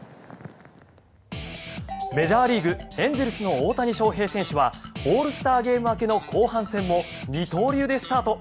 メジャーリーグエンゼルスの大谷翔平選手はオールスターゲーム明けの後半戦も二刀流でスタート。